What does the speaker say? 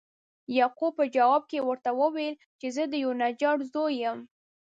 یعقوب په جواب کې ورته وویل چې زه د یوه نجار زوی یم.